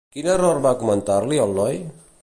Quin error va comentar-li al noi?